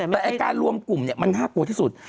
แต่การรวมกลุ่มมันน่ากลัวที่สุด